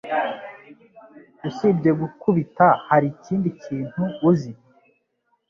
Usibye Gukubita hari ikindi kintu uzi?